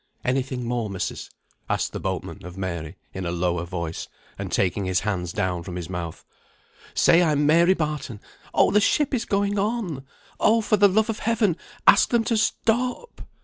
Any thing more, missis?" asked the boat man of Mary, in a lower voice, and taking his hands down from his mouth. "Say I'm Mary Barton. Oh, the ship is going on! Oh, for the love of Heaven, ask them to stop."